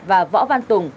và võ văn tùng